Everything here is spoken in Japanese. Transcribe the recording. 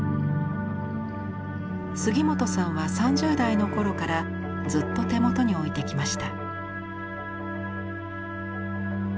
杉本さんは３０代の頃からずっと手元に置いてきました。